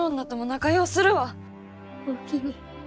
おおきに。